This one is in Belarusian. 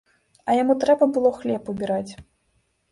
А яму трэба было хлеб убіраць.